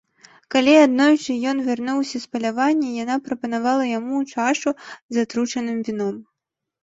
Калі аднойчы ён вярнуўся з палявання, яна прапанавала яму чашу з атручаным віном.